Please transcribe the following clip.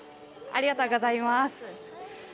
ありがとうございます。